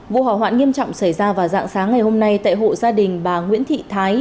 vụ hỏa hoạn nghiêm trọng xảy ra vào dạng sáng ngày hôm nay tại hộ gia đình bà nguyễn thị thái